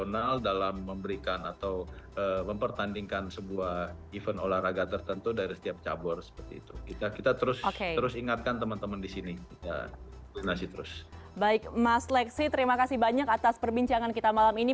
baik mas lexi terima kasih banyak atas perbincangan kita malam ini